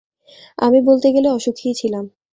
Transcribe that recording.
আমি বলতে গেলে অসুখীই ছিলাম।